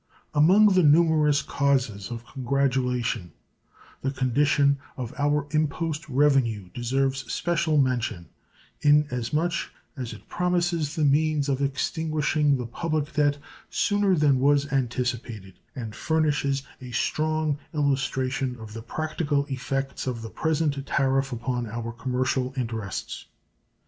Among the numerous causes of congratulation the condition of our impost revenue deserves special mention, in as much as it promises the means of extinguishing the public debt sooner than was anticipated, and furnishes a strong illustration of the practical effects of the present tariff upon our commercial interests.